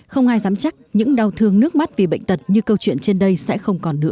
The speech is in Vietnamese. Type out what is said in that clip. không ai dám chắc những đau thương nước mắt vì bệnh tật như câu chuyện trên đây sẽ không còn nữa